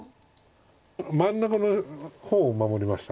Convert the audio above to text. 真ん中の方を守りました。